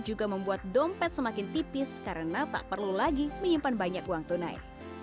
juga membuat dompet semakin tipis karena tak perlu lagi menyimpan banyak uang tunai